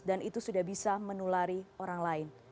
dan itu sudah bisa menulari